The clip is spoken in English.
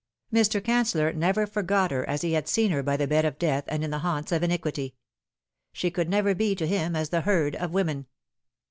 Mr. Caucellor never forgot her as he had seen her by the bed of death and in the haunts of iniquity. She could never be to him as the herd of women.